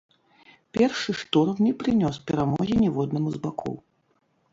Першы штурм не прынёс перамогі ніводнаму з бакоў.